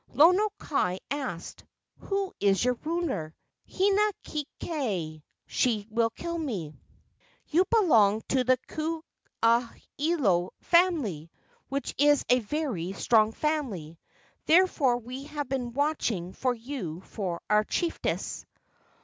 Lono kai asked, "Who is your ruler?" "Hina kekai, she will kill me. You belong to the Ku aha ilo fam¬ ily, which is a very strong family. Therefore we have been watching for you for our chiefess."